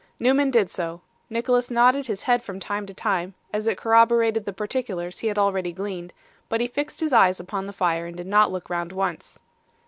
Newman did so. Nicholas nodded his head from time to time, as it corroborated the particulars he had already gleaned; but he fixed his eyes upon the fire, and did not look round once.